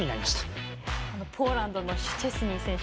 ポーランドのシュチェスニー選手